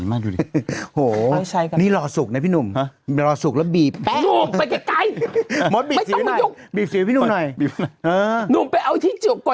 อันนี้ใหญ่มาก